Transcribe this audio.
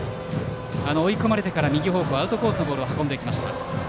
追い込まれてから右方向にアウトコースのボールを運びました。